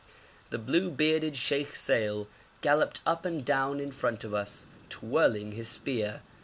The blue bearded Sheikh Seil galloped up and down in front of us, twirling his spear.